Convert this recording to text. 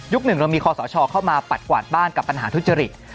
หนึ่งเรามีคอสชเข้ามาปัดกวาดบ้านกับปัญหาทุจริต